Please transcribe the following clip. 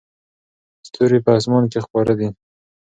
ستوري په اسمان کې خپاره دي.